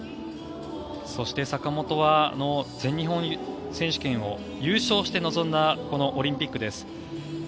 そして、坂本は全日本選手権を優勝して臨んだこのオリンピックです。